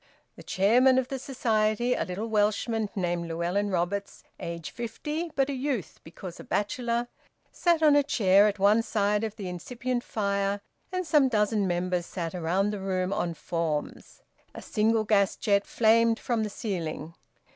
The chairman of the Society, a little Welshman named Llewelyn Roberts, aged fifty, but a youth because a bachelor, sat on a chair at one side of the incipient fire, and some dozen members sat round the room on forms. A single gas jet flamed from the ceiling.